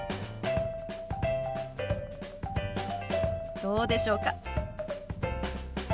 どうでしょうか？